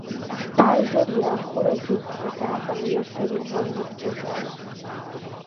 Бажэр яхуурэ, жыг лъэдакъэм елъэри гъуэм ипкӀэжащ.